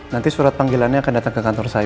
nanti surat panggilannya akan datang ke kantor saya